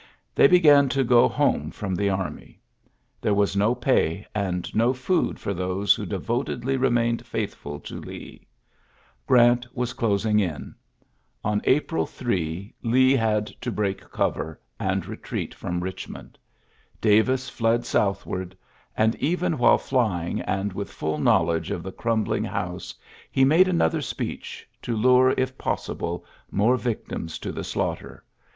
Ibey began to go home from the army. I!h^ was no pay and no food for those who devotedly remained Mthful to Lee. Ghrautwas closing in. On April 3 Lee library i^oii 116 ULYSSES S. GEANT had to break cover^ and retreat froi Btchmond. Davis fled southward ; aii( even while flying^ and with fiill know edge of the cmmbling house, he mad another speech, to lure, if possible, moi yictims to the slaughter.